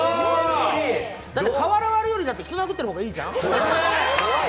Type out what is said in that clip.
だって瓦割るより人殴ってるほうがいいじゃん？